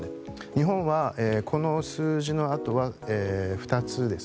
日本はこの数字のあとは２つです。